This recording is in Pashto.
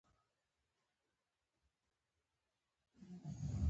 دواړه د پښتو د معاصر غزل سرلاري وو.